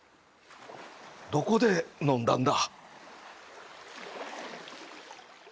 どこで飲んだんだ？